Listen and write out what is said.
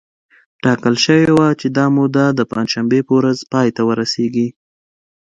ټاکل شوې وه چې دا موده د پنجشنبې په ورځ پای ته ورسېږي